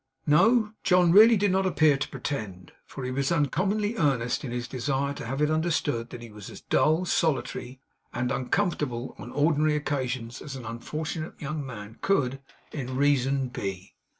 No, John really did not appear to pretend; for he was uncommonly earnest in his desire to have it understood that he was as dull, solitary, and uncomfortable on ordinary occasions as an unfortunate young man could, in reason, be.